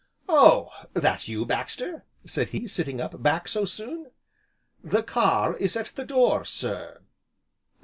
"Oh! that you, Baxter?" said he, sitting up, "back so soon?" "The car is at the door, sir."